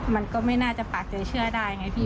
มันก็ไม่น่าจะปากใจเชื่อได้ไงพี่